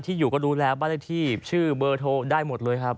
อยู่ก็รู้แล้วบ้านเลขที่ชื่อเบอร์โทรได้หมดเลยครับ